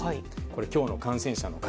今日の感染者の数。